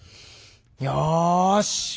よし！